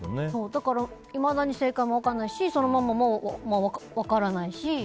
だからいまだに正解も分からないしそのまま分からないし。